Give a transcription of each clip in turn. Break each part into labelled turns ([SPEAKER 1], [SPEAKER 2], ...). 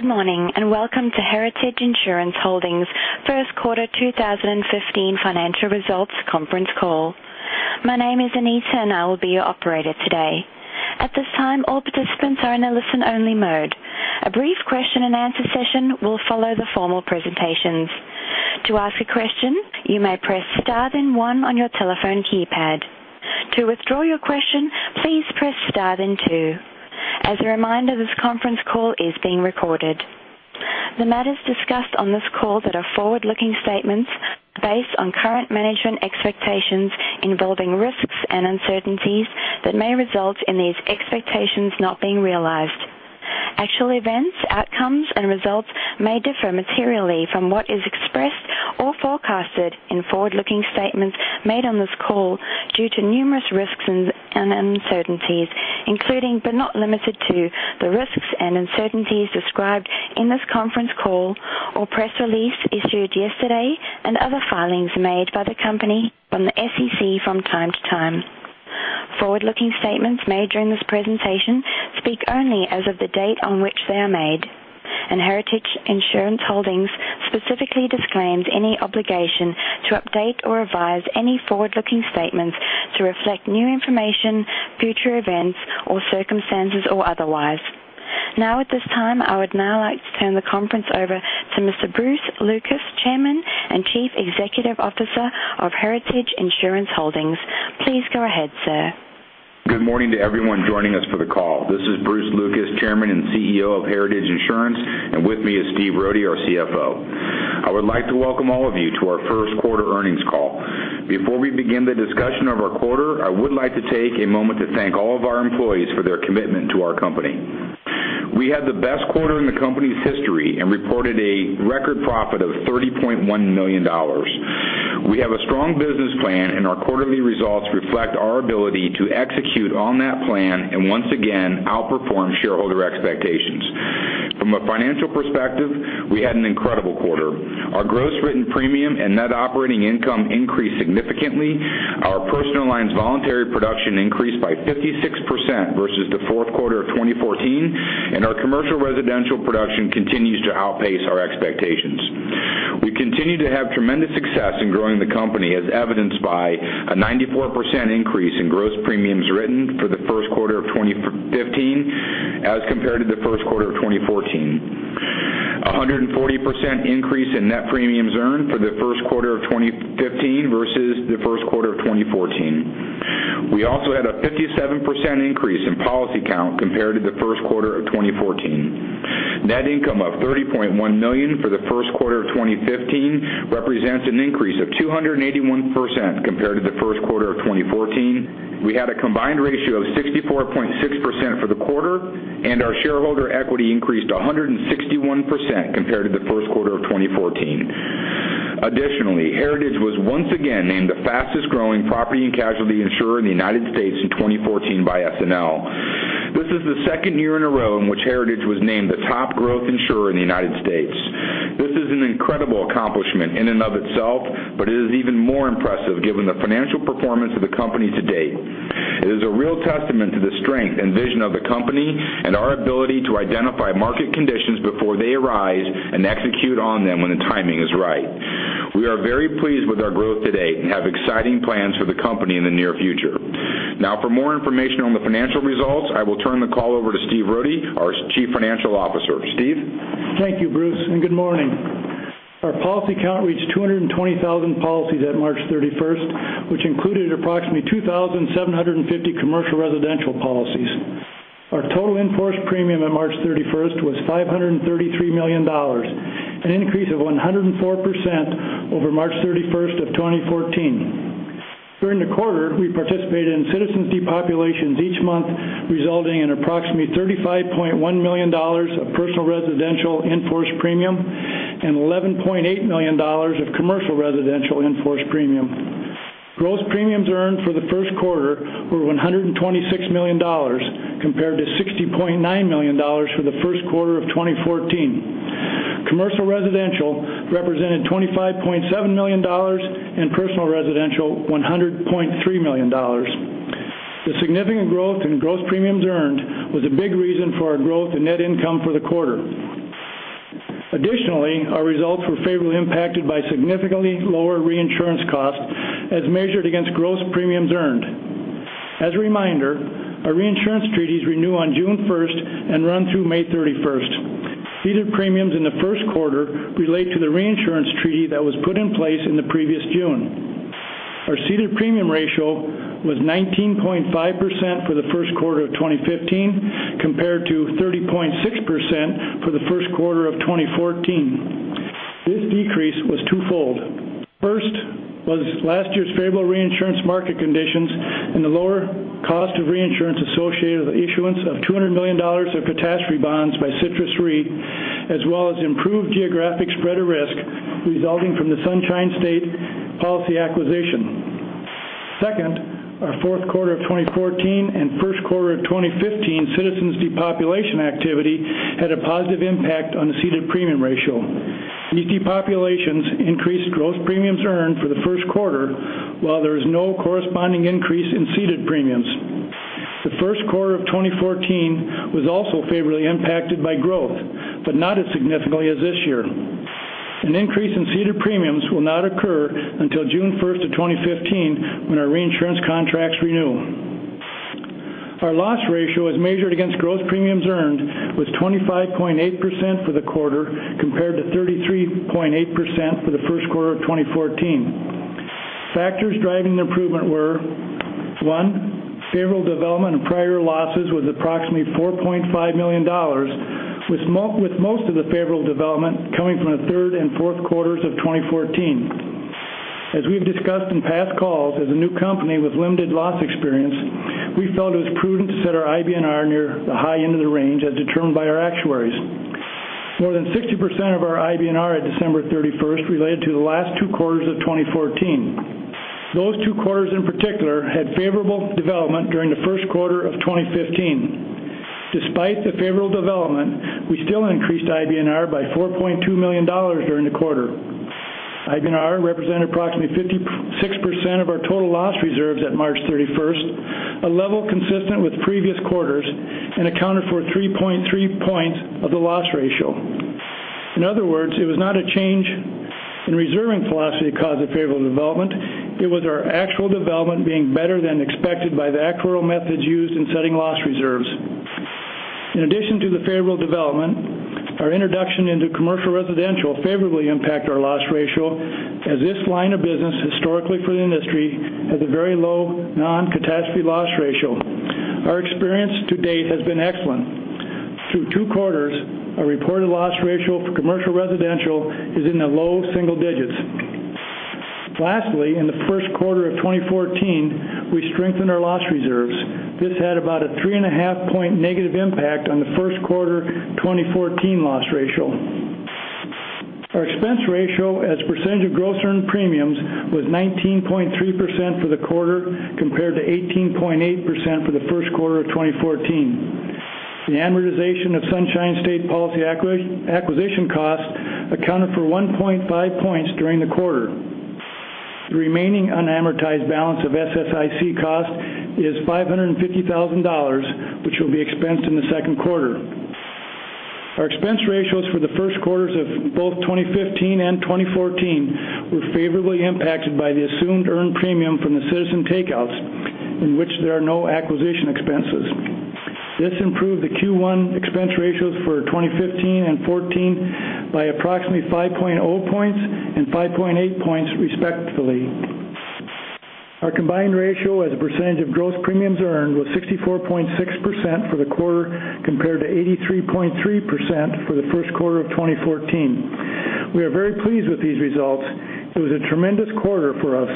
[SPEAKER 1] Good morning, and welcome to Heritage Insurance Holdings' first quarter 2015 financial results conference call. My name is Anita, and I will be your operator today. At this time, all participants are in a listen-only mode. A brief question-and-answer session will follow the formal presentations. To ask a question, you may press star then one on your telephone keypad. To withdraw your question, please press star then two. As a reminder, this conference call is being recorded. The matters discussed on this call that are forward-looking statements based on current management expectations involving risks and uncertainties that may result in these expectations not being realized. Actual events, outcomes, and results may differ materially from what is expressed or forecasted in forward-looking statements made on this call due to numerous risks and uncertainties, including but not limited to, the risks and uncertainties described in this conference call or press release issued yesterday and other filings made by the company from the SEC from time to time. Forward-looking statements made during this presentation speak only as of the date on which they are made. Heritage Insurance Holdings specifically disclaims any obligation to update or revise any forward-looking statements to reflect new information, future events, or circumstances or otherwise. At this time, I would now like to turn the conference over to Mr. Bruce Lucas, Chairman and Chief Executive Officer of Heritage Insurance Holdings. Please go ahead, sir.
[SPEAKER 2] Good morning to everyone joining us for the call. This is Bruce Lucas, Chairman and CEO of Heritage Insurance, and with me is Steve Rohde, our CFO. I would like to welcome all of you to our first quarter earnings call. Before we begin the discussion of our quarter, I would like to take a moment to thank all of our employees for their commitment to our company. We had the best quarter in the company's history and reported a record profit of $30.1 million. We have a strong business plan, and our quarterly results reflect our ability to execute on that plan and once again, outperform shareholder expectations. From a financial perspective, we had an incredible quarter. Our gross written premium and net operating income increased significantly. Our personal lines voluntary production increased by 56% versus the fourth quarter of 2014, and our commercial residential production continues to outpace our expectations. We continue to have tremendous success in growing the company, as evidenced by a 94% increase in gross premiums written for the first quarter of 2015 as compared to the first quarter of 2014. 140% increase in net premiums earned for the first quarter of 2015 versus the first quarter of 2014. We also had a 57% increase in policy count compared to the first quarter of 2014. Net income of $30.1 million for the first quarter of 2015 represents an increase of 281% compared to the first quarter of 2014. We had a combined ratio of 64.6% for the quarter, and our shareholder equity increased 161% compared to the first quarter of 2014. Additionally, Heritage was once again named the fastest-growing property and casualty insurer in the U.S. in 2014 by SNL. This is the second year in a row in which Heritage was named the top growth insurer in the U.S. This is an incredible accomplishment in and of itself, but it is even more impressive given the financial performance of the company to date. It is a real testament to the strength and vision of the company and our ability to identify market conditions before they arise and execute on them when the timing is right. We are very pleased with our growth to date and have exciting plans for the company in the near future. Now for more information on the financial results, I will turn the call over to Stephen Rohde, our Chief Financial Officer. Stephen?
[SPEAKER 3] Thank you, Bruce, good morning. Our policy count reached 220,000 policies at March 31st, which included approximately 2,750 commercial residential policies. Our total in-force premium on March 31st was $533 million, an increase of 104% over March 31st of 2014. During the quarter, we participated in Citizens depopulations each month, resulting in approximately $35.1 million of personal residential in-force premium and $11.8 million of commercial residential in-force premium. Gross premiums earned for the first quarter were $126 million compared to $60.9 million for the first quarter of 2014. Commercial residential represented $25.7 million and personal residential $100.3 million. The significant growth in gross premiums earned was a big reason for our growth in net income for the quarter. Additionally, our results were favorably impacted by significantly lower reinsurance costs as measured against gross premiums earned. As a reminder, our reinsurance treaties renew on June 1st and run through May 31st. Ceded premiums in the first quarter relate to the reinsurance treaty that was put in place in the previous June. Our ceded premium ratio was 19.5% for the first quarter of 2015 compared to 30.6% for the first quarter of 2014. This decrease was twofold. First was last year's favorable reinsurance market conditions and the lower cost of reinsurance associated with the issuance of $200 million of catastrophe bonds by Citrus Re, as well as improved geographic spread of risk resulting from the Sunshine State policy acquisition. Second, our fourth quarter of 2014 and first quarter of 2015 Citizens depopulation activity had a positive impact on the ceded premium ratio. These depopulations increased growth premiums earned for the first quarter, while there is no corresponding increase in ceded premiums. The first quarter of 2014 was also favorably impacted by growth, not as significantly as this year. An increase in ceded premiums will not occur until June 1st of 2015, when our reinsurance contracts renew. Our loss ratio, as measured against gross premiums earned, was 25.8% for the quarter, compared to 33.8% for the first quarter of 2014. Factors driving the improvement were, 1, favorable development of prior losses was approximately $4.5 million, with most of the favorable development coming from the third and fourth quarters of 2014. As we've discussed in past calls, as a new company with limited loss experience, we felt it was prudent to set our IBNR near the high end of the range as determined by our actuaries. More than 60% of our IBNR at December 31st related to the last two quarters of 2014. Those two quarters in particular had favorable development during the first quarter of 2015. Despite the favorable development, we still increased IBNR by $4.2 million during the quarter. IBNR represented approximately 56% of our total loss reserves at March 31st, a level consistent with previous quarters, and accounted for 3.3 points of the loss ratio. In other words, it was not a change in reserving philosophy that caused the favorable development. It was our actual development being better than expected by the actuarial methods used in setting loss reserves. In addition to the favorable development, our introduction into commercial residential favorably impact our loss ratio, as this line of business historically for the industry has a very low non-catastrophe loss ratio. Our experience to date has been excellent. Through two quarters, a reported loss ratio for commercial residential is in the low single digits. Lastly, in the first quarter of 2014, we strengthened our loss reserves. This had about a three-and-a-half point negative impact on the first quarter 2014 loss ratio. Our expense ratio as a percentage of gross earned premiums was 19.3% for the quarter, compared to 18.8% for the first quarter of 2014. The amortization of Sunshine State Policy acquisition cost accounted for 1.5 points during the quarter. The remaining unamortized balance of SSIC cost is $550,000, which will be expensed in the second quarter. Our expense ratios for the first quarters of both 2015 and 2014 were favorably impacted by the assumed earned premium from the Citizens takeouts, in which there are no acquisition expenses. This improved the Q1 expense ratios for 2015 and 2014 by approximately 5.0 points and 5.8 points, respectively. Our combined ratio as a percentage of gross premiums earned was 64.6% for the quarter, compared to 83.3% for the first quarter of 2014. We are very pleased with these results. It was a tremendous quarter for us,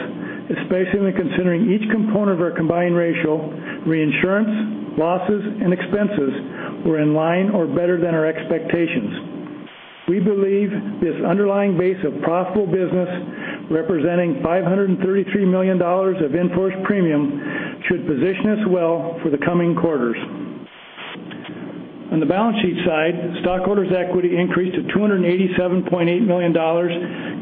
[SPEAKER 3] especially considering each component of our combined ratio, reinsurance, losses, and expenses were in line or better than our expectations. We believe this underlying base of profitable business representing $533 million of in-force premium should position us well for the coming quarters. On the balance sheet side, stockholders' equity increased to $287.8 million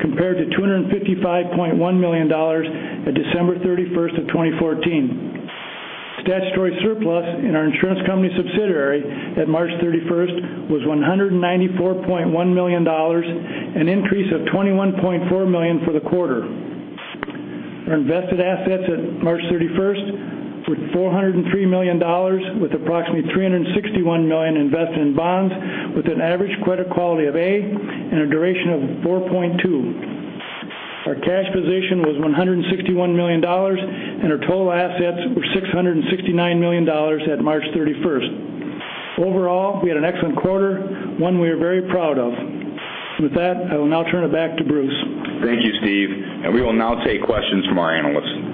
[SPEAKER 3] compared to $255.1 million at December 31st of 2014. Statutory surplus in our insurance company subsidiary at March 31st was $194.1 million, an increase of $21.4 million for the quarter. Our invested assets at March 31st were $403 million with approximately $361 million invested in bonds with an average credit quality of A and a duration of 4.2. Our cash position was $161 million, our total assets were $669 million at March 31st. Overall, we had an excellent quarter, one we are very proud of. With that, I will now turn it back to Bruce.
[SPEAKER 2] Thank you, Steve. We will now take questions from our analysts.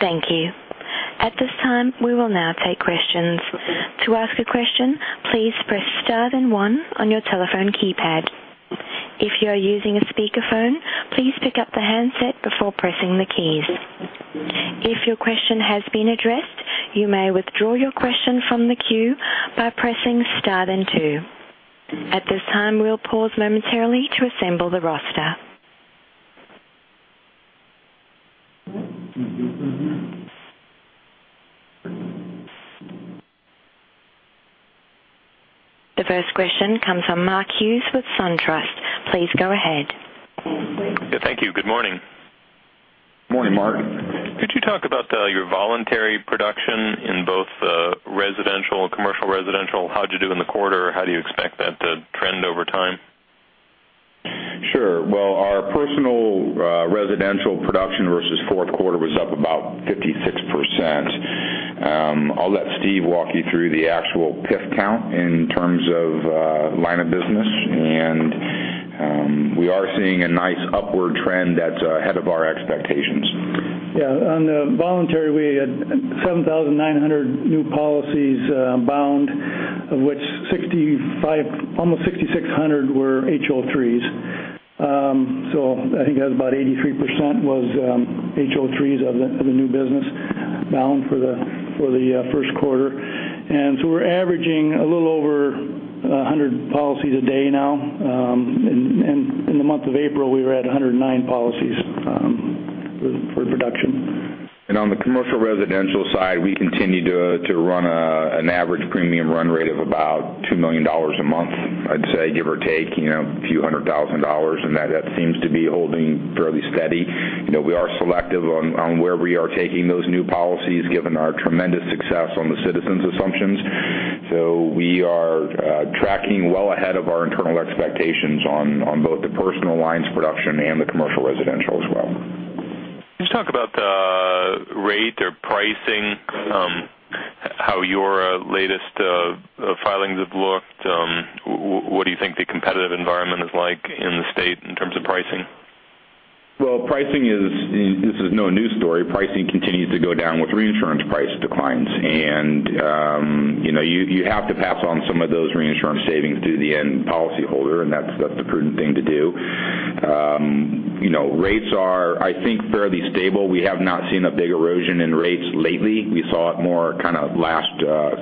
[SPEAKER 1] Thank you. At this time, we will now take questions. To ask a question, please press star then one on your telephone keypad. If you are using a speakerphone, please pick up the handset before pressing the keys. If your question has been addressed, you may withdraw your question from the queue by pressing star then two. At this time, we will pause momentarily to assemble the roster. The first question comes from Mark Hughes with SunTrust. Please go ahead.
[SPEAKER 4] Yeah, thank you. Good morning.
[SPEAKER 2] Morning, Mark.
[SPEAKER 4] Could you talk about your voluntary production in both the personal residential, commercial residential? How'd you do in the quarter? How do you expect that to trend over time?
[SPEAKER 2] Sure. Well, our personal residential production versus fourth quarter was up about 56%. I'll let Steve walk you through the actual PIF count in terms of line of business. We are seeing a nice upward trend that's ahead of our expectations.
[SPEAKER 3] Yeah. On the voluntary, we had 7,900 new policies bound, of which almost 6,600 were HO3s. I think that's about 83% was HO3s of the new business bound for the first quarter. We're averaging a little over 100 policies a day now. In the month of April, we were at 109 policies for production.
[SPEAKER 2] On the commercial residential side, we continue to run an average premium run rate of about $2 million a month, I'd say, give or take, a few hundred thousand dollars. That seems to be holding fairly steady. We are selective on where we are taking those new policies, given our tremendous success on the Citizens assumptions. We are tracking well ahead of our internal expectations on both the personal lines production and the commercial residential as well.
[SPEAKER 4] Can you just talk about the rate or pricing, how your latest filings have looked? What do you think the competitive environment is like in the state in terms of pricing?
[SPEAKER 2] Well, this is no news story. Pricing continues to go down with reinsurance price declines. You have to pass on some of those reinsurance savings to the end policyholder, and that's the prudent thing to do. Rates are, I think, fairly stable. We have not seen a big erosion in rates lately. We saw it more kind of last,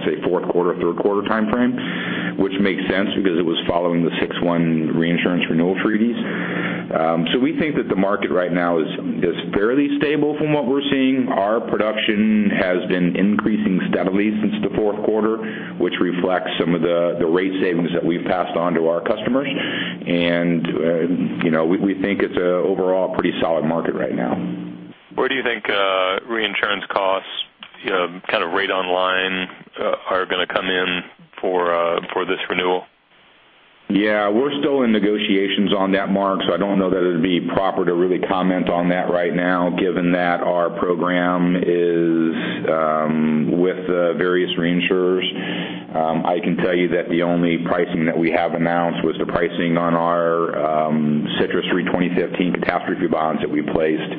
[SPEAKER 2] say, fourth quarter, third quarter timeframe, which makes sense because it was following the 6-1 reinsurance renewal treaties. We think that the market right now is fairly stable from what we're seeing. Our production has been increasing steadily since the fourth quarter, which reflects some of the rate savings that we've passed on to our customers. We think it's overall a pretty solid market right now.
[SPEAKER 4] Where do you think reinsurance costs, kind of rate on line are going to come in for this renewal?
[SPEAKER 2] Yeah, we're still in negotiations on that, Mark, I don't know that it'd be proper to really comment on that right now, given that our program is with various reinsurers. I can tell you that the only pricing that we have announced was the pricing on our Citrus Re 2015 catastrophe bonds that we placed,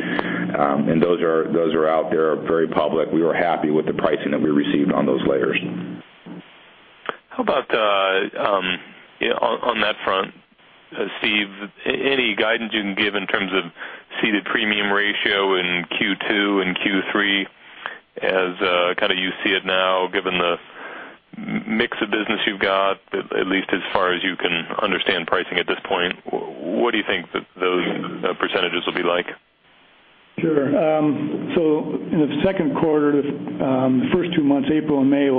[SPEAKER 2] those are out there, very public. We were happy with the pricing that we received on those layers.
[SPEAKER 4] How about on that front, Steve, any guidance you can give in terms of ceded premium ratio in Q2 and Q3 as kind of you see it now, given the mix of business you've got, at least as far as you can understand pricing at this point, what do you think those percentages will be like?
[SPEAKER 3] Sure. In the second quarter, the first two months, April and May,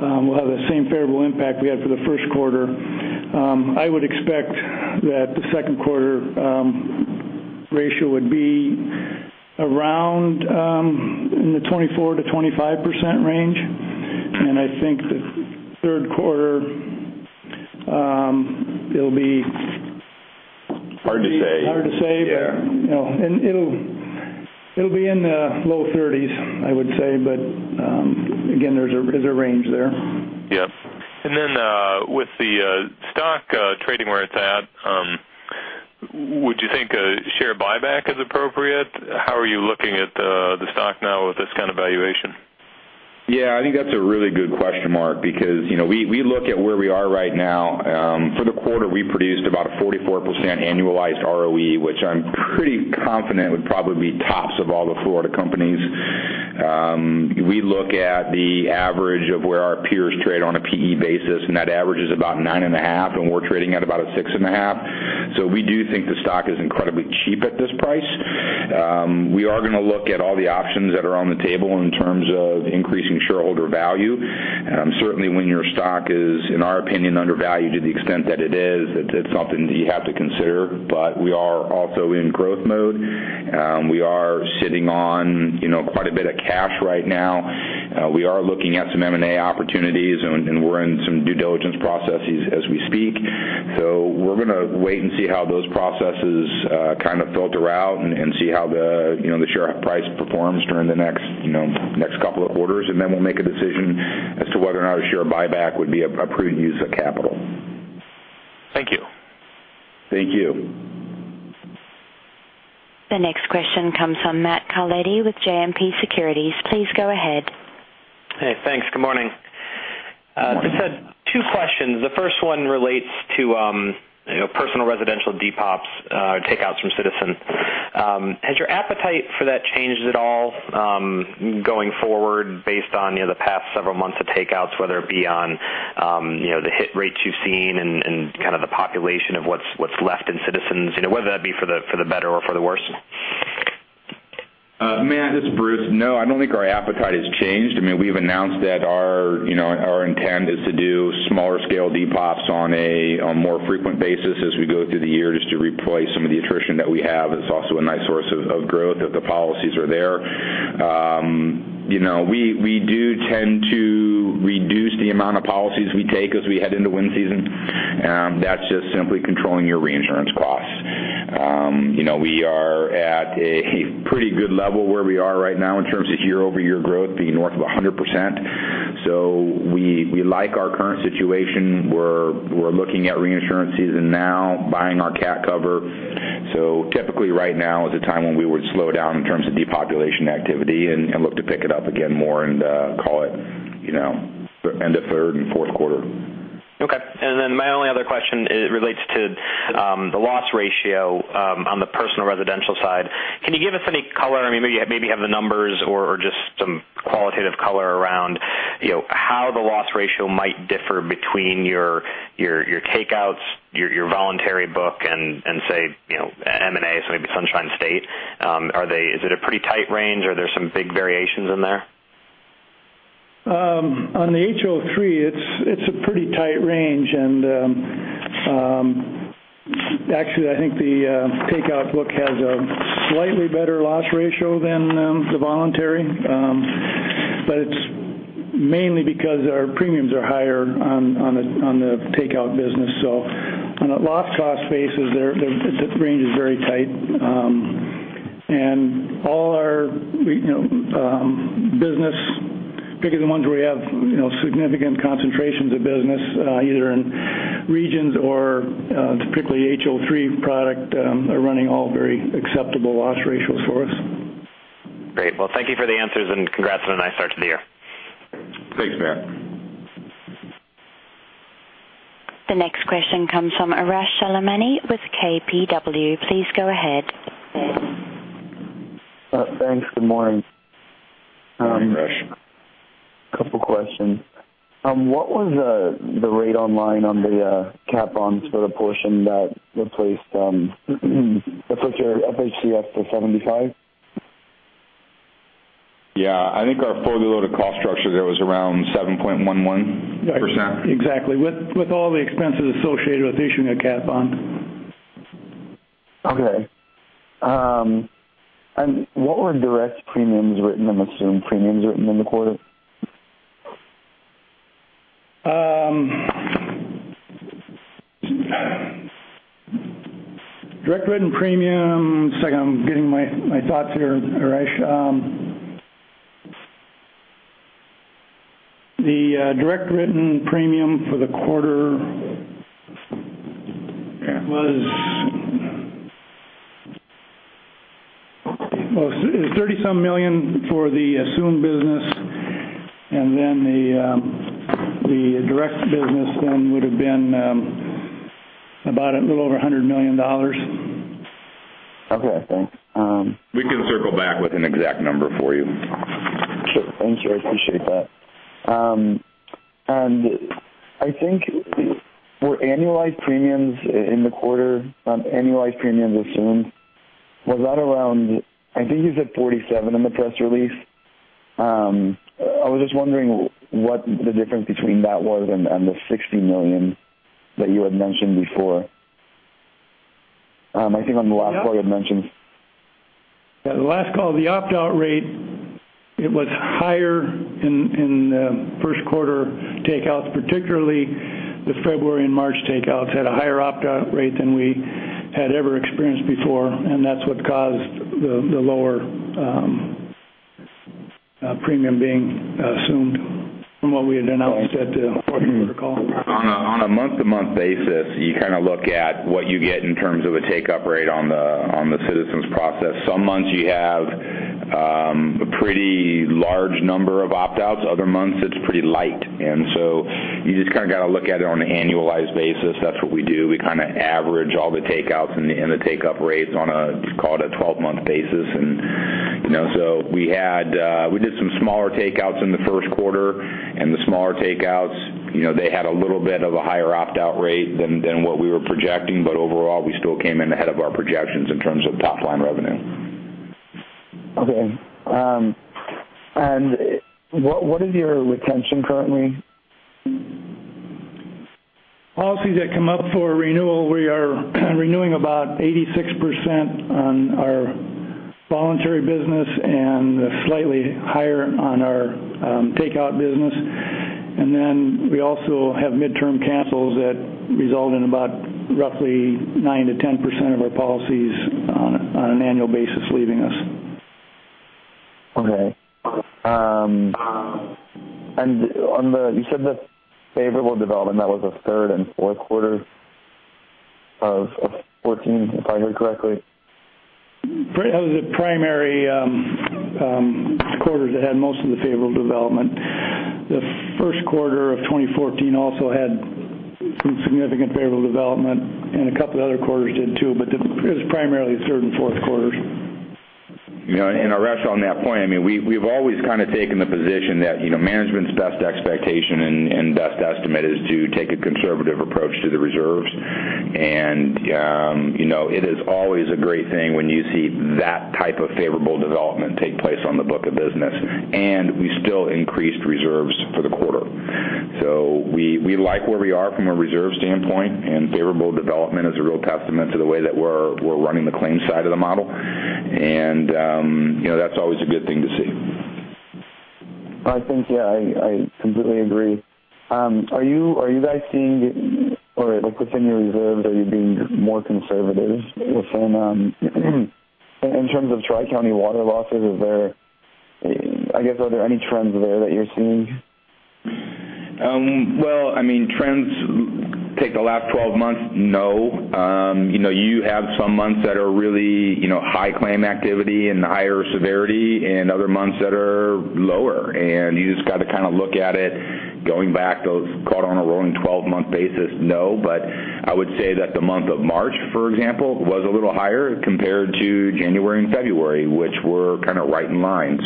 [SPEAKER 3] we'll have the same favorable impact we had for the first quarter. I would expect that the second quarter ratio would be around in the 24%-25% range. I think the third quarter, it'll be-
[SPEAKER 2] Hard to say
[SPEAKER 3] hard to say.
[SPEAKER 2] Yeah.
[SPEAKER 3] It'll be in the low 30s, I would say, but again, there's a range there.
[SPEAKER 4] Yep. With the stock trading where it's at, would you think a share buyback is appropriate? How are you looking at the stock now with this kind of valuation?
[SPEAKER 2] I think that's a really good question, Mark, because we look at where we are right now. For the quarter, we produced about a 44% annualized ROE, which I'm pretty confident would probably be tops of all the Florida companies. We look at the average of where our peers trade on a P/E basis, and that average is about 9.5, and we're trading at about a 6.5. We do think the stock is incredibly cheap at this price. We are going to look at all the options that are on the table in terms of increasing shareholder value. Certainly, when your stock is, in our opinion, undervalued to the extent that it is, it's something that you have to consider. We are also in growth mode. We are sitting on quite a bit of cash right now. We are looking at some M&A opportunities, and we're in some due diligence processes as we speak. We're going to wait and see how those processes kind of filter out and see how the share price performs during the next couple of quarters. We'll make a decision as to whether or not a share buyback would be a prudent use of capital.
[SPEAKER 4] Thank you.
[SPEAKER 2] Thank you.
[SPEAKER 1] The next question comes from Matthew Carletti with JMP Securities. Please go ahead.
[SPEAKER 5] Hey, thanks. Good morning.
[SPEAKER 2] Good morning.
[SPEAKER 5] Just had two questions. The first one relates to personal residential depops, takeouts from Citizen. Has your appetite for that changed at all going forward based on the past several months of takeouts, whether it be on the hit rates you've seen and kind of the population of what's left in Citizens, whether that be for the better or for the worse?
[SPEAKER 2] Matt, this is Bruce. No, I don't think our appetite has changed. I mean, we've announced that our intent is to do smaller scale depops on a more frequent basis as we go through the year just to replace some of the attrition that we have. It's also a nice source of growth if the policies are there. We do tend to reduce the amount of policies we take as we head into wind season. That's just simply controlling your reinsurance costs. We are at a pretty good level where we are right now in terms of year-over-year growth being north of 100%. We like our current situation. We're looking at reinsurance season now, buying our cat cover. Typically right now is a time when we would slow down in terms of depopulation activity and look to pick it up again more in, call it end of third and fourth quarter.
[SPEAKER 5] Okay. My only other question, it relates to the loss ratio on the personal residential side. Can you give us any color? Maybe you have the numbers or just some qualitative color around how the loss ratio might differ between your takeouts, your voluntary book, and say, M&A, so maybe Sunshine State. Is it a pretty tight range or are there some big variations in there?
[SPEAKER 3] On the HO3, it's a pretty tight range, and actually, I think the takeout book has a slightly better loss ratio than the voluntary. It's mainly because our premiums are higher on the takeout business. On a loss cost basis, the range is very tight. All our business, particularly the ones where we have significant concentrations of business, either in regions or particularly HO3 product, are running all very acceptable loss ratios for us.
[SPEAKER 5] Great. Well, thank you for the answers, and congrats on a nice start to the year.
[SPEAKER 2] Thanks, Matt.
[SPEAKER 1] The next question comes from Arash Soleimani with KBW. Please go ahead.
[SPEAKER 6] Thanks. Good morning.
[SPEAKER 2] Hi, Arash.
[SPEAKER 6] A couple of questions. What was the rate on line on the cap bonds for the portion that replaced your FHCF for 75?
[SPEAKER 2] Yeah, I think our fully loaded cost structure there was around 7.11%.
[SPEAKER 3] Exactly. With all the expenses associated with issuing a cap bond.
[SPEAKER 6] Okay. What were direct premiums written, I'm assuming premiums written in the quarter?
[SPEAKER 3] Direct written premium, just a second, I'm getting my thoughts here, Arash. The direct written premium for the quarter was 30-some million for the assumed business, and then the direct business then would've been about a little over $100 million.
[SPEAKER 6] Okay, thanks.
[SPEAKER 2] We can circle back with an exact number for you.
[SPEAKER 6] Sure. Thank you. I appreciate that. I think for annualized premiums in the quarter, annualized premiums assumed, was that around, I think you said $47 in the press release. I was just wondering what the difference between that was and the $60 million that you had mentioned before. I think on the last call you had mentioned.
[SPEAKER 3] Yeah, the last call, the opt-out rate, it was higher in first quarter takeouts, particularly the February and March takeouts had a higher opt-out rate than we had ever experienced before. That's what caused the lower premium being assumed from what we had announced at the fourth quarter call.
[SPEAKER 2] On a month-to-month basis, you kind of look at what you get in terms of a take-up rate on the Citizens process. Some months you have a pretty large number of opt-outs. Other months it's pretty light. So you just kind of got to look at it on an annualized basis. That's what we do. We kind of average all the takeouts and the take-up rates on a, just call it a 12-month basis. We did some smaller takeouts in the first quarter, and the smaller takeouts, they had a little bit of a higher opt-out rate than what we were projecting, but overall, we still came in ahead of our projections in terms of top-line revenue.
[SPEAKER 6] Okay. What is your retention currently?
[SPEAKER 3] Policies that come up for renewal, we are renewing about 86% on our voluntary business and slightly higher on our takeout business. We also have midterm cancels that result in about roughly 9%-10% of our policies on an annual basis leaving us.
[SPEAKER 6] Okay. You said the favorable development, that was the third and fourth quarter of 2014, if I heard correctly?
[SPEAKER 3] That was the primary quarters that had most of the favorable development. The first quarter of 2014 also had some significant favorable development, and a couple other quarters did too, but it was primarily the third and fourth quarters.
[SPEAKER 2] Arash, on that point, we've always kind of taken the position that management's best expectation and best estimate is to take a conservative approach to the reserves. It is always a great thing when you see that type of favorable development take place on the book of business. We still increased reserves for the quarter. We like where we are from a reserve standpoint, and favorable development is a real testament to the way that we're running the claims side of the model. That's always a good thing to see.
[SPEAKER 6] I think, yeah, I completely agree. Are you guys seeing, like within your reserves, are you being more conservative within, in terms of Tri-County water losses, I guess are there any trends there that you're seeing?
[SPEAKER 2] Well, trends, take the last 12 months, no. You have some months that are really high claim activity and higher severity, and other months that are lower, and you just got to look at it going back those caught on a rolling 12-month basis, no. I would say that the month of March, for example, was a little higher compared to January and February, which were right in line.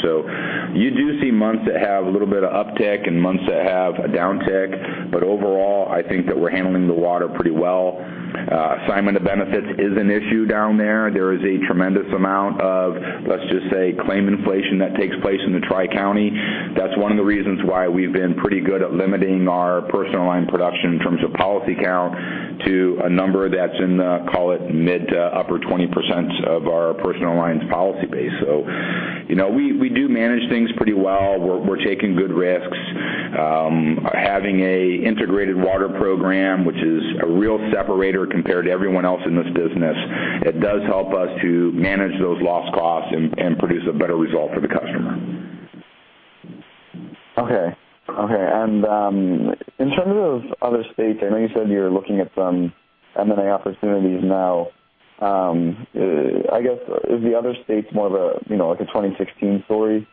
[SPEAKER 2] You do see months that have a little bit of uptick and months that have a downtick, but overall, I think that we're handling the water pretty well. assignment of benefits is an issue down there. There is a tremendous amount of, let's just say, claim inflation that takes place in the Tri-County. That's one of the reasons why we've been pretty good at limiting our personal line production in terms of policy count to a number that's in the, call it, mid to upper 20% of our personal lines policy base. We do manage things pretty well. We're taking good risks. Having an integrated water program, which is a real separator compared to everyone else in this business, it does help us to manage those loss costs and produce a better result for the customer.
[SPEAKER 6] Okay. In terms of other states, I know you said you're looking at some M&A opportunities now. I guess, is the other states more of a 2016 story?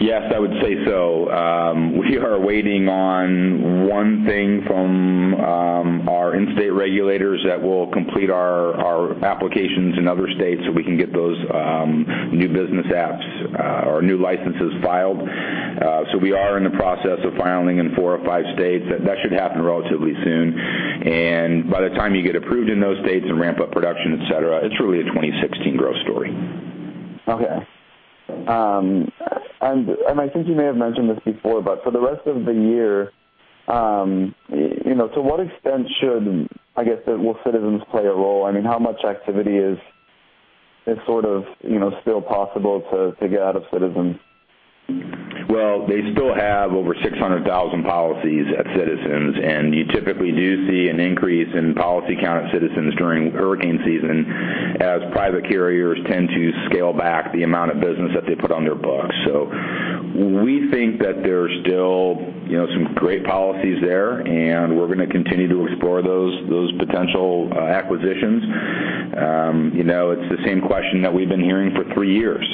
[SPEAKER 2] Yes, I would say so. We are waiting on one thing from our in-state regulators that will complete our applications in other states so we can get those new business apps or new licenses filed. We are in the process of filing in four or five states. That should happen relatively soon. By the time you get approved in those states and ramp up production, et cetera, it's really a 2016 growth story.
[SPEAKER 6] Okay. I think you may have mentioned this before, but for the rest of the year, to what extent should, I guess, will Citizens play a role? How much activity is still possible to get out of Citizens?
[SPEAKER 2] Well, they still have over 600,000 policies at Citizens. You typically do see an increase in policy count at Citizens during hurricane season as private carriers tend to scale back the amount of business that they put on their books. We think that there's still some great policies there, and we're going to continue to explore those potential acquisitions. It's the same question that we've been hearing for three years.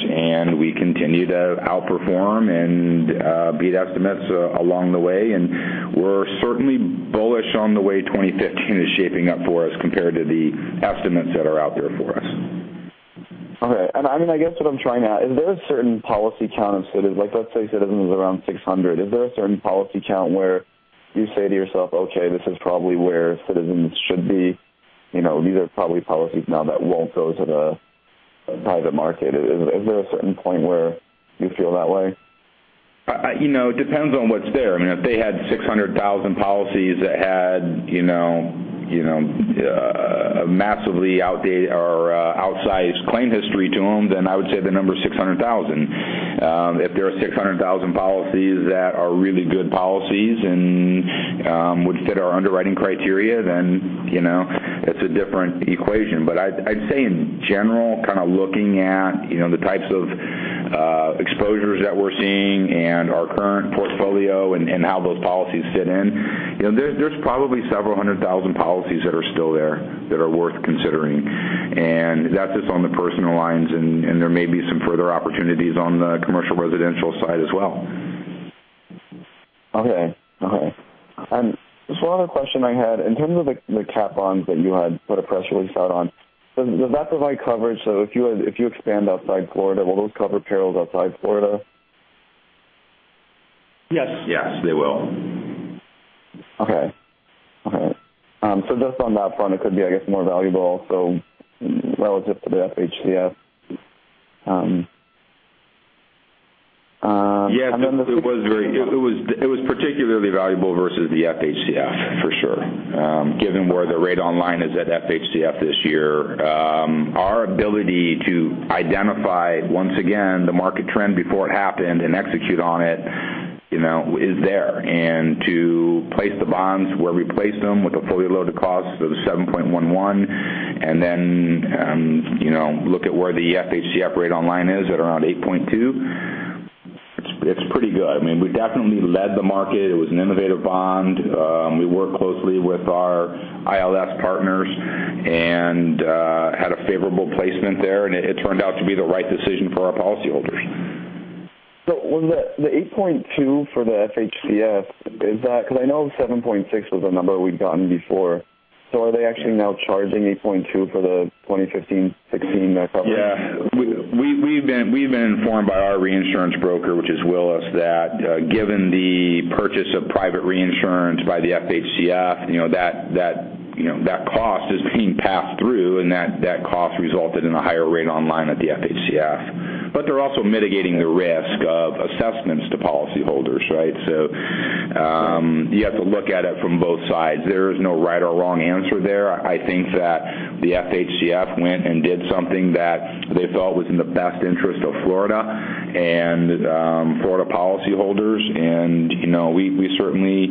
[SPEAKER 2] We continue to outperform and beat estimates along the way, and we're certainly bullish on the way 2015 is shaping up for us compared to the estimates that are out there for us.
[SPEAKER 6] Okay. I guess what I'm trying Is there a certain policy count of Citizens, like let's say Citizens is around 600. Is there a certain policy count where you say to yourself, okay, this is probably where Citizens should be? These are probably policies now that won't go to the private market. Is there a certain point where you feel that way?
[SPEAKER 2] It depends on what's there. If they had 600,000 policies that had a massively outdated or outsized claim history to them, then I would say the number is 600,000. If there are 600,000 policies that are really good policies and would fit our underwriting criteria, then it's a different equation. I'd say in general, kind of looking at the types of exposures that we're seeing and our current portfolio and how those policies fit in, there's probably several hundred thousand policies that are still there that are worth considering. That's just on the personal lines, and there may be some further opportunities on the commercial residential side as well.
[SPEAKER 6] Okay. Just one other question I had. In terms of the cap bonds that you had put a press release out on, does that provide coverage so if you expand outside Florida, will those cover perils outside Florida?
[SPEAKER 2] Yes, they will.
[SPEAKER 6] Okay. just on that front, it could be, I guess, more valuable also relative to the FHCF.
[SPEAKER 2] Yes, it was particularly valuable versus the FHCF, for sure. Given where the rate on line is at FHCF this year, our ability to identify, once again, the market trend before it happened and execute on it, is there. To place the bonds where we placed them with a fully loaded cost of 7.11 and then look at where the FHCF rate on line is at around 8.2, it's pretty good. We definitely led the market. It was an innovative bond. We worked closely with our ILS partners and had a favorable placement there, and it turned out to be the right decision for our policyholders.
[SPEAKER 6] was the 8.2 for the FHCF, is that because I know 7.6 was a number we'd gotten before. are they actually now charging 8.2 for the 2015-2016 coverage?
[SPEAKER 2] Yeah. We've been informed by our reinsurance broker, which is Willis, that given the purchase of private reinsurance by the FHCF, that cost is being passed through, and that cost resulted in a higher rate on line at the FHCF. They're also mitigating the risk of assessments to policyholders, right? You have to look at it from both sides. There is no right or wrong answer there. I think that the FHCF went and did something that they felt was in the best interest of Florida and Florida policyholders, and we certainly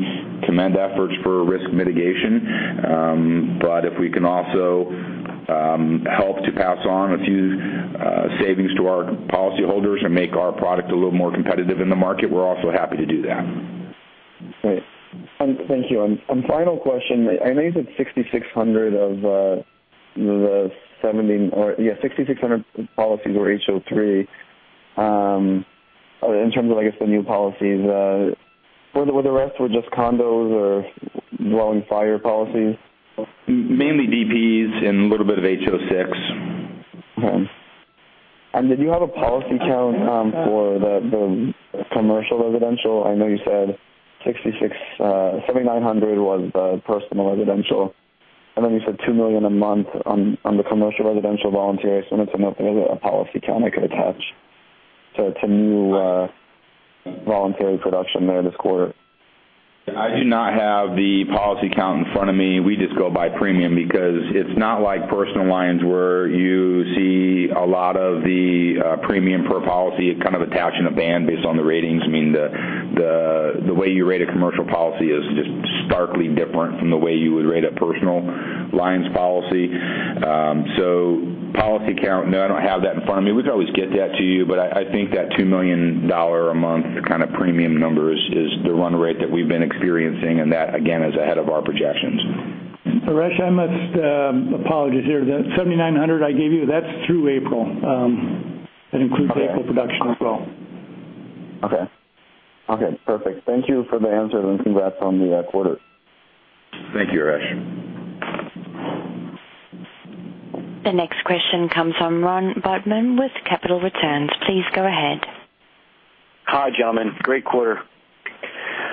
[SPEAKER 2] commend efforts for risk mitigation. If we can also help to pass on a few savings to our policyholders or make our product a little more competitive in the market, we're also happy to do that.
[SPEAKER 6] Great. Thank you. Final question, I know you said 6,600 policies were HO3. In terms of, I guess the new policies, were the rest just condos or dwelling fire policies?
[SPEAKER 2] Mainly DP3s and a little bit of HO6.
[SPEAKER 6] Okay. Did you have a policy count for the commercial residential? I know you said 7,900 was the personal residential, and then you said $2 million a month on the commercial residential voluntary. I just wanted to know if there's a policy count I could attach to new voluntary production there this quarter.
[SPEAKER 2] I do not have the policy count in front of me. We just go by premium because it's not like personal lines where you see a lot of the premium per policy kind of attached in a band based on the ratings. The way you rate a commercial policy is just starkly different from the way you would rate a personal lines policy. Policy count, no, I don't have that in front of me. We could always get that to you, but I think that $2 million a month kind of premium number is the run rate that we've been experiencing, and that again, is ahead of our projections.
[SPEAKER 3] Arash, I must apologize here. The 7,900 I gave you, that's through April. That includes-
[SPEAKER 6] Okay
[SPEAKER 3] April production as well.
[SPEAKER 6] Okay. Okay, perfect. Thank you for the answer, and congrats on the quarter.
[SPEAKER 2] Thank you, Arash.
[SPEAKER 1] The next question comes from Ron Bobman with Capital Returns. Please go ahead.
[SPEAKER 7] Hi, gentlemen. Great quarter.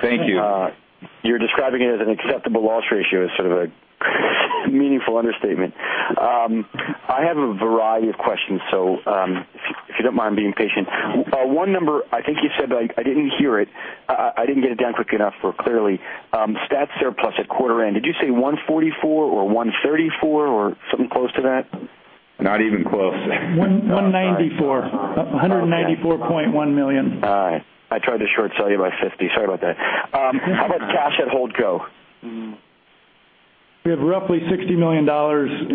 [SPEAKER 2] Thank you.
[SPEAKER 3] Thank you.
[SPEAKER 7] You're describing it as an acceptable loss ratio as sort of a meaningful understatement. I have a variety of questions, so if you don't mind being patient. One number, I think you said, but I didn't hear it. I didn't get it down quick enough or clearly. Stat surplus at quarter end. Did you say 144 or 134 or something close to that?
[SPEAKER 2] Not even close.
[SPEAKER 3] 194.
[SPEAKER 7] Oh, sorry.
[SPEAKER 3] $194.1 million.
[SPEAKER 7] All right. I tried to short sell you by $50. Sorry about that. How about cash at hold co?
[SPEAKER 3] We have roughly $60 million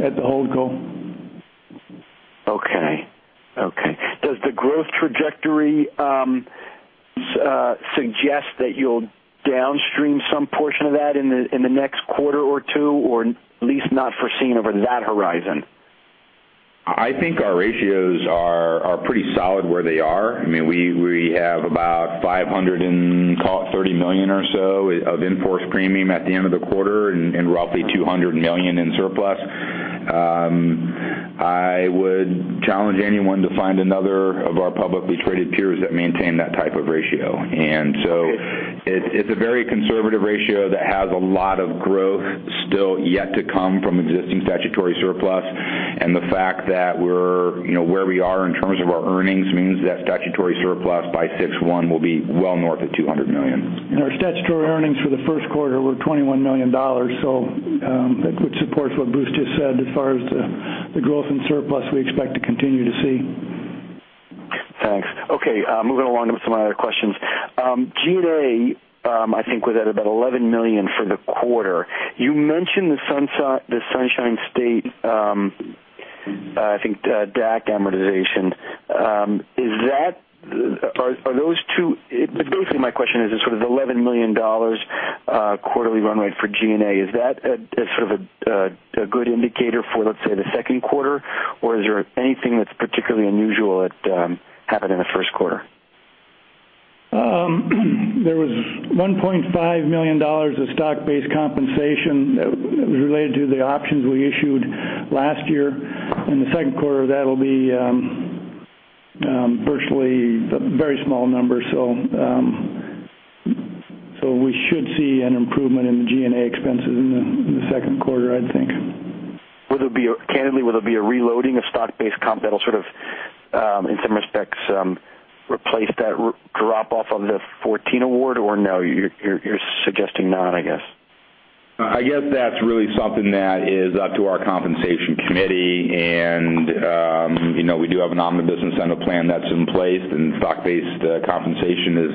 [SPEAKER 3] at the hold co.
[SPEAKER 7] Okay. Does the growth trajectory suggest that you'll downstream some portion of that in the next quarter or two, or at least not foreseen over that horizon?
[SPEAKER 2] I think our ratios are pretty solid where they are. We have about $530 million or so of in-force premium at the end of the quarter, and roughly $200 million in surplus. I would challenge anyone to find another of our publicly traded peers that maintain that type of ratio. It's a very conservative ratio that has a lot of growth still yet to come from existing statutory surplus. The fact that where we are in terms of our earnings means that statutory surplus by six one will be well north of $200 million.
[SPEAKER 3] Our statutory earnings for the first quarter were $21 million. That would support what Bruce just said as far as the growth in surplus we expect to continue to see.
[SPEAKER 7] Thanks. Okay, moving along to some of my other questions. G&A, I think was at about $11 million for the quarter. You mentioned the Sunshine State, I think DAC amortization. Basically, my question is, the sort of $11 million quarterly run rate for G&A, is that a good indicator for, let's say, the second quarter? Or is there anything that's particularly unusual that happened in the first quarter?
[SPEAKER 3] There was $1.5 million of stock-based compensation that was related to the options we issued last year. In the second quarter, that'll be virtually a very small number. We should see an improvement in the G&A expenses in the second quarter, I think.
[SPEAKER 7] Candidly, will there be a reloading of stock-based comp that'll sort of, in some respects, replace that drop off of the 14 award, or no? You're suggesting not, I guess.
[SPEAKER 2] I guess that's really something that is up to our compensation committee, and we do have an Omnibus Incentive Plan that's in place. Stock-based compensation is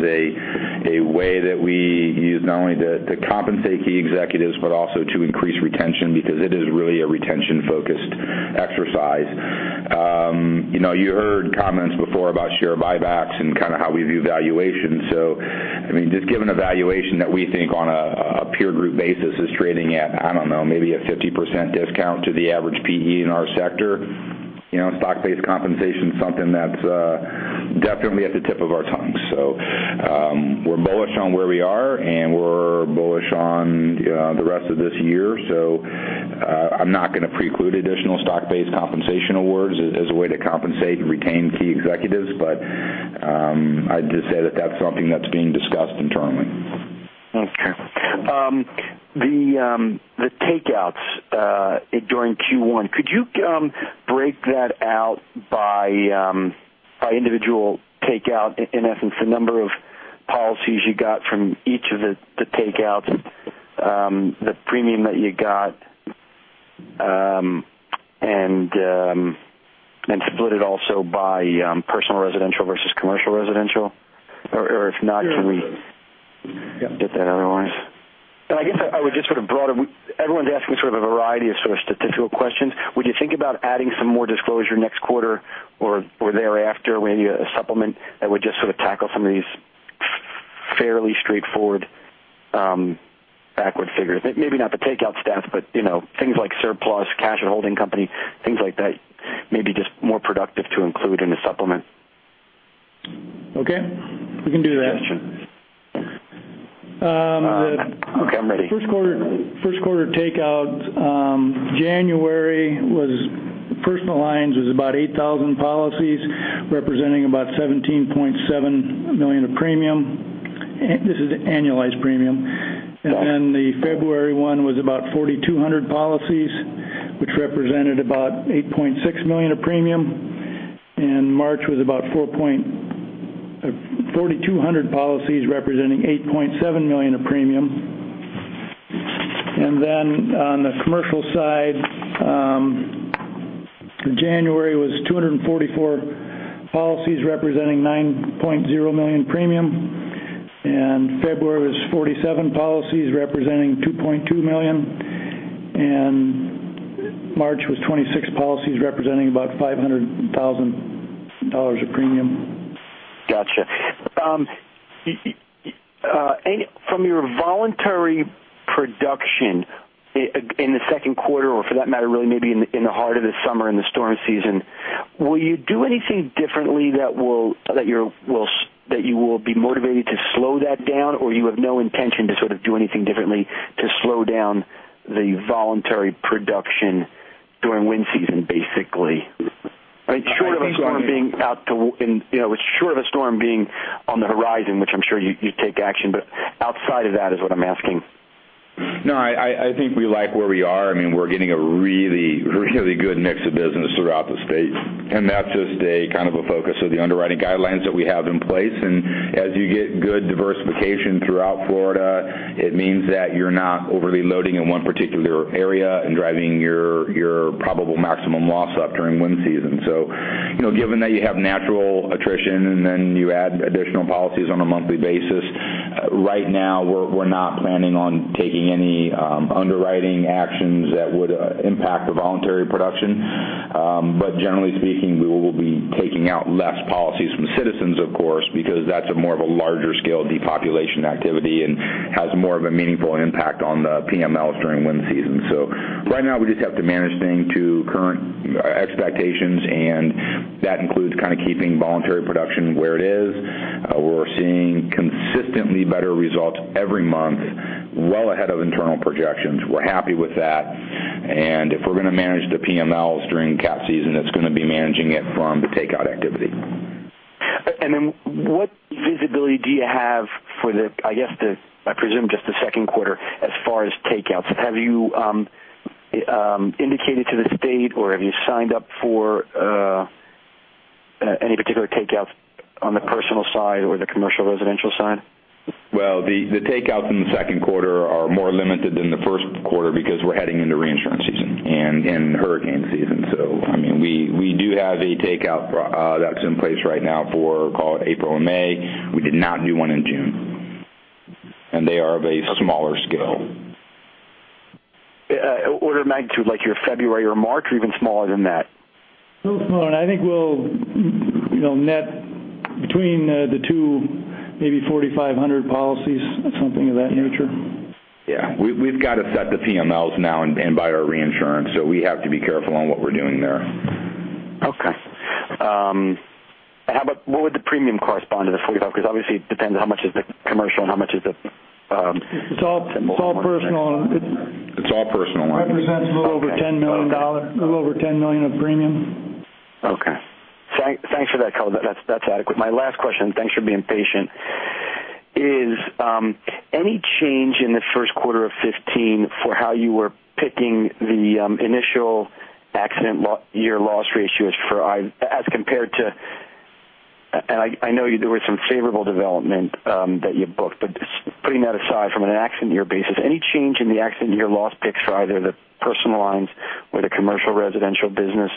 [SPEAKER 2] a way that we use not only to compensate key executives but also to increase retention because it is really a retention-focused exercise. You heard comments before about share buybacks and kind of how we view valuation. Just given a valuation that we think on a peer group basis is trading at, I don't know, maybe a 50% discount to the average P/E in our sector, stock-based compensation is something that's definitely at the tip of our tongue. We're bullish on where we are, and we're bullish on the rest of this year. I'm not going to preclude additional stock-based compensation awards as a way to compensate and retain key executives. I'd just say that that's something that's being discussed internally.
[SPEAKER 7] Okay. The takeouts during Q1, could you break that out by individual takeout? In essence, the number of policies you got from each of the takeouts, the premium that you got Split it also by Personal Residential versus Commercial Residential? Or if not, can we-?
[SPEAKER 3] Yeah.
[SPEAKER 7] Get that otherwise? I guess I would just sort of broaden. Everyone's asking a variety of statistical questions. Would you think about adding some more disclosure next quarter or thereafter, maybe a supplement that would just sort of tackle some of these fairly straightforward backward figures? Maybe not the takeout stats, but things like surplus, cash and holding company, things like that maybe just more productive to include in a supplement.
[SPEAKER 3] Okay. We can do that.
[SPEAKER 7] Gotcha. Okay, I'm ready.
[SPEAKER 3] First quarter takeout, January was personal lines was about 8,000 policies, representing about $17.7 million of premium. This is annualized premium.
[SPEAKER 7] Got it.
[SPEAKER 3] The February one was about 4,200 policies, which represented about $8.6 million of premium. March was about 4,200 policies representing $8.7 million of premium. On the commercial side, January was 244 policies representing $9.0 million premium. February was 47 policies representing $2.2 million. March was 26 policies representing about $500,000 of premium.
[SPEAKER 7] Got you. From your voluntary production in the second quarter or for that matter, really maybe in the heart of the summer, in the storm season, will you do anything differently that you will be motivated to slow that down or you have no intention to sort of do anything differently to slow down the voluntary production during wind season, basically?
[SPEAKER 3] I think-
[SPEAKER 7] Short of a storm being on the horizon, which I'm sure you take action, but outside of that is what I'm asking.
[SPEAKER 2] No, I think we like where we are. We're getting a really, really good mix of business throughout the state, and that's just a kind of a focus of the underwriting guidelines that we have in place. As you get good diversification throughout Florida, it means that you're not overly loading in one particular area and driving your Probable Maximum Loss up during wind season. Given that you have natural attrition and then you add additional policies on a monthly basis, right now, we're not planning on taking any underwriting actions that would impact the voluntary production. Generally speaking, we will be taking out less policies from Citizens, of course, because that's a more of a larger scale depopulation activity and has more of a meaningful impact on the PMLs during wind season. Right now, we just have to manage things to current expectations, and that includes kind of keeping voluntary production where it is. We're seeing consistently better results every month, well ahead of internal projections. We're happy with that. If we're going to manage the PMLs during cat season, it's going to be managing it from the takeout activity.
[SPEAKER 7] What visibility do you have for the, I guess, I presume just the second quarter as far as takeouts. Have you indicated to the state, or have you signed up for any particular takeouts on the personal side or the commercial residential side?
[SPEAKER 2] Well, the takeouts in the second quarter are more limited than the first quarter because we're heading into reinsurance season and hurricane season. We do have a takeout that's in place right now for April and May. We did not do one in June. They are of a smaller scale.
[SPEAKER 7] Order of magnitude, like your February or March, or even smaller than that?
[SPEAKER 3] Little smaller. I think we'll net between the two, maybe 4,500 policies, something of that nature.
[SPEAKER 2] Yeah. We've got to set the PMLs now and buy our reinsurance, we have to be careful on what we're doing there.
[SPEAKER 7] Okay. What would the premium correspond to the 45? Because obviously, it depends how much is the commercial and how much is the-
[SPEAKER 3] It's all personal.
[SPEAKER 2] It's all personal.
[SPEAKER 3] Represents a little over $10 million of premium.
[SPEAKER 7] Okay. Thanks for that color. That's adequate. My last question, thanks for being patient, is any change in the first quarter of 2015 for how you were picking the initial accident year loss ratios as compared to, and I know there was some favorable development that you booked, but putting that aside, from an accident year basis, any change in the accident year loss picks for either the personal lines or the commercial residential business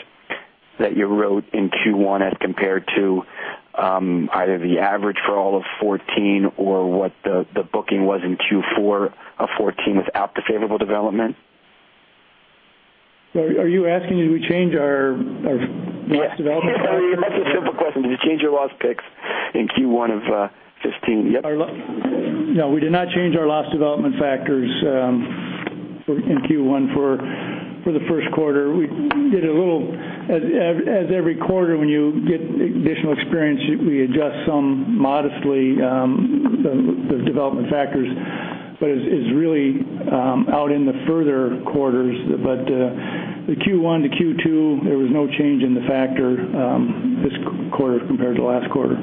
[SPEAKER 7] that you wrote in Q1 as compared to either the average for all of 2014 or what the booking was in Q4 of 2014 without the favorable development?
[SPEAKER 3] Are you asking did we change our loss development factors?
[SPEAKER 7] That's a simple question. Did you change your loss picks in Q1 of 2015? Yep.
[SPEAKER 3] No, we did not change our loss development factors in Q1 for the first quarter. We did a little, as every quarter, when you get additional experience, we adjust some modestly the development factors, it's really out in the further quarters. The Q1 to Q2, there was no change in the factor this quarter compared to last quarter.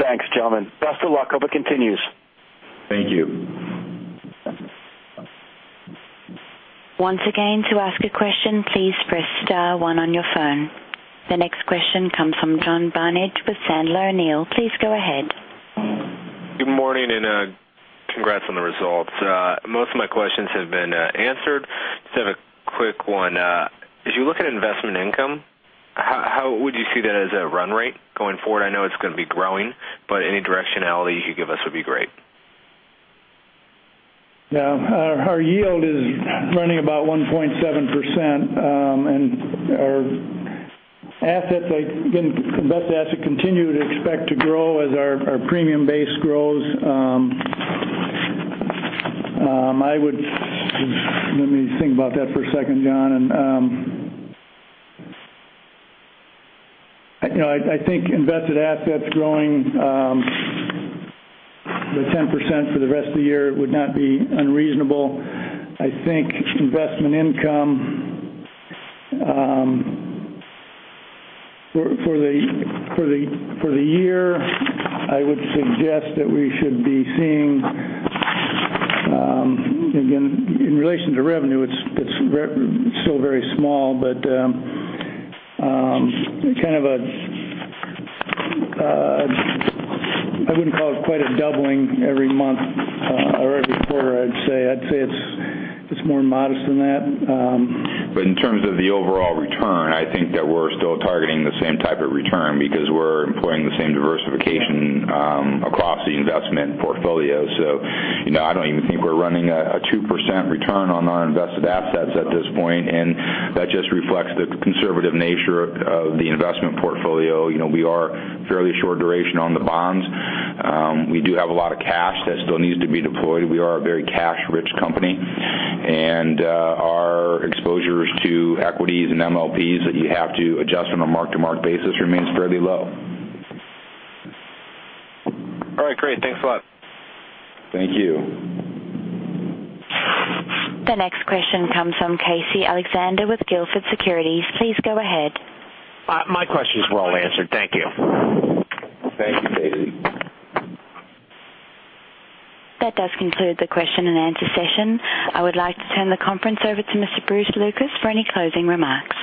[SPEAKER 7] Thanks, gentlemen. Best of luck. Hope it continues.
[SPEAKER 2] Thank you.
[SPEAKER 1] Once again, to ask a question, please press star one on your phone. The next question comes from John Barnidge with Sandler O'Neill. Please go ahead.
[SPEAKER 8] Good morning, congrats on the results. Most of my questions have been answered. Just have a quick one. As you look at investment income, how would you see that as a run rate going forward? I know it's going to be growing, but any directionality you could give us would be great.
[SPEAKER 3] Yeah. Our yield is running about 1.7%, and our invested assets continue to expect to grow as our premium base grows. Let me think about that for a second, John. I think invested assets growing 10% for the rest of the year would not be unreasonable. I think investment income for the year, I would suggest that we should be seeing, again, in relation to revenue, it's still very small. I wouldn't call it quite a doubling every month or every quarter, I'd say. I'd say it's more modest than that.
[SPEAKER 2] In terms of the overall return, I think that we're still targeting the same type of return because we're employing the same diversification across the investment portfolio. I don't even think we're running a 2% return on our invested assets at this point, and that just reflects the conservative nature of the investment portfolio. We are fairly short duration on the bonds. We do have a lot of cash that still needs to be deployed. We are a very cash-rich company, and our exposures to equities and MLPs that you have to adjust on a mark-to-market basis remains fairly low.
[SPEAKER 8] All right, great. Thanks a lot.
[SPEAKER 2] Thank you.
[SPEAKER 1] The next question comes from Casey Alexander with Gilford Securities. Please go ahead.
[SPEAKER 9] My question's well answered. Thank you.
[SPEAKER 2] Thank you, Casey.
[SPEAKER 1] That does conclude the question and answer session. I would like to turn the conference over to Mr. Bruce Lucas for any closing remarks.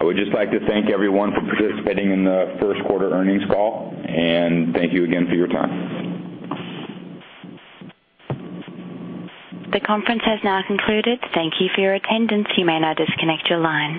[SPEAKER 2] I would just like to thank everyone for participating in the first quarter earnings call, and thank you again for your time.
[SPEAKER 1] The conference has now concluded. Thank you for your attendance. You may now disconnect your line.